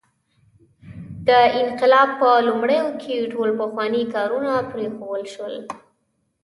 د انقلاب په لومړیو کې ټول پخواني کارونه پرېښودل شول.